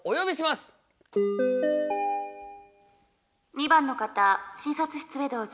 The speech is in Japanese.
２番の方診察室へどうぞ。